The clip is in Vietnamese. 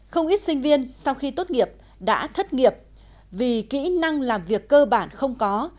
không ít sinh viên sau khi tốt nghiệp đã thất nghiệp vì kỹ năng làm việc cơ bản không có